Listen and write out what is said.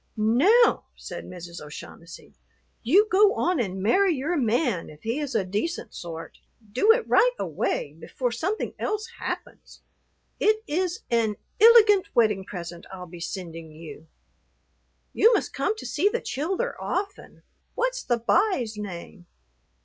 "Now," said Mrs. O'Shaughnessy, "you go on an' marry your man if he is a decent sort. Do it right away before something else happens. It is an illigant wedding present I'll be sendin' you. You must come to see the childher often. What's the b'y's name?"